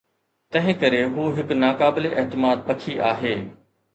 تنهنڪري هو هڪ ناقابل اعتماد پکي آهي.